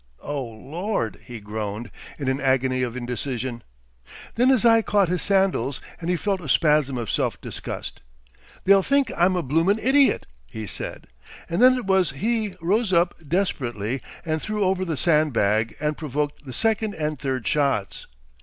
"O Lord!" he groaned, in an agony of indecision. Then his eye caught his sandals, and he felt a spasm of self disgust. "They'll think I'm a bloomin' idiot," he said, and then it was he rose up desperately and threw over the sand bag and provoked the second and third shots.